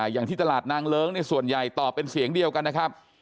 อย่างที่ตลาดนางเลิ้งส่วนใหญ่ตอบเป็นเสียงเดียวกันนะครับ